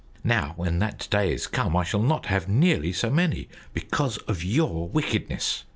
Now when that day is come, I shall not have nearly so many, because of your wickedness.